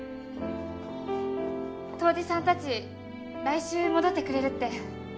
杜氏さんたち来週戻ってくれるって。